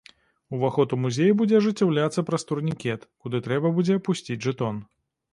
Уваход у музей будзе ажыццяўляцца праз турнікет, куды трэба будзе апусціць жэтон.